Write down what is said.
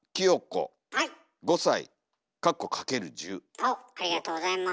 おっありがとうございます。